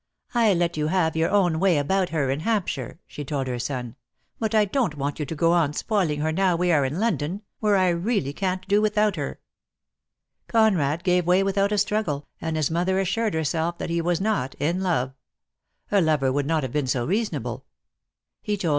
"I let you have your own way about her in Hampshire," she told her son, "but I don't want you to go on spoiling her now we are in London, where I really can't do without her." Conrad gave way without a struggle; and his mother assured herself that he was not in love. A lover would not have been so reasonable. He told 134 DEAD LOVE HAS CHAINS.